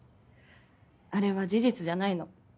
あれは事実じゃないの。